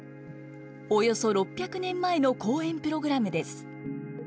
およそ６００年前の公演プログラムです。